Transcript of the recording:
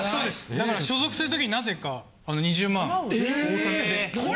だから所属するときになぜか２０万お納め。え！